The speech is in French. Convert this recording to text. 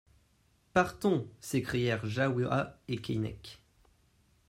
Partons ! s'écrièrent Jahoua et Keinec.